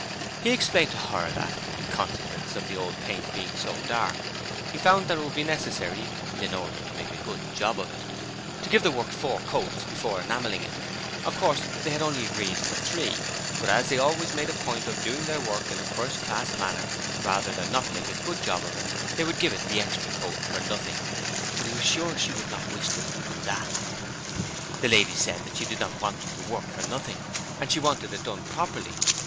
He explained to her that, in consequence of the old paint being so dark, he found that it would be necessary, in order to make a good job of it, to give the work four coats before enamelling it. Of course, they had agreed for only three, but as they always made a point of doing their work in a first class manner rather than not make a good job, they would give it the extra coat for nothing, but he was sure she would not wish them to do that. The lady said that she did not want them to work for nothing, and she wanted it done properly.